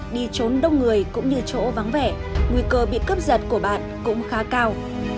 đi trốn đông người cũng như chỗ vắng vẻ nguy cơ bị cướp giật của bạn cũng khá cao